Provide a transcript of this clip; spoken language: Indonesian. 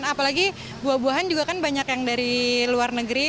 apalagi buah buahan juga kan banyak yang dari luar negeri